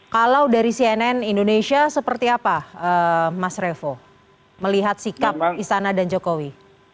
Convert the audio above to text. kalau dari cnn indonesia seperti apa mas revo melihat sikap istana dan jokowi